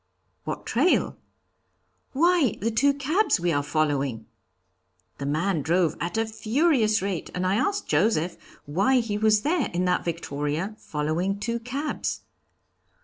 'What trail?' 'Why, the two cabs we are following.' The man drove at a furious rate, and I asked Joseph why he was there in that victoria, following two cabs.